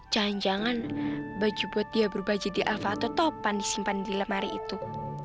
jangan jangan baju buat dia berbaji di alva atau topan disimpan di lemari itu